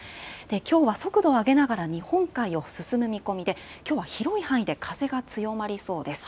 きょうは速度を上げながら日本海を進む見込みで、きょうは広い範囲で風が強まりそうです。